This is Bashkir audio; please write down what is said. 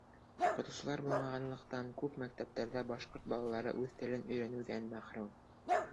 Уҡытыусылар булмағанлыҡтан күп мәктәптәрҙә башҡорт балалары үҙ телен өйрәнеүҙән мәхрүм.